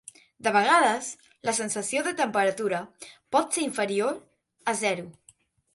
De vegades la sensació de temperatura pot ser inferior a zero.